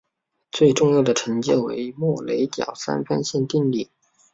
最重要的成就为莫雷角三分线定理。